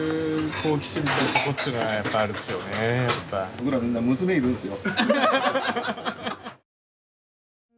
僕らみんな娘いるんすよ。